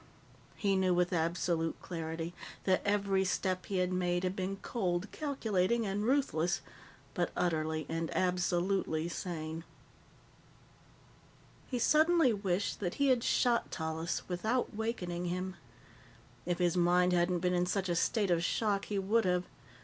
He knew with absolute clarity that every step he had made had been cold, calculating, and ruthless, but utterly and absolutely sane. He suddenly wished that he had shot Tallis without wakening him. If his mind hadn't been in such a state of shock, he would have.